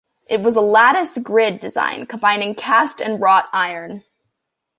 It was a lattice-grid design, combining cast and wrought iron.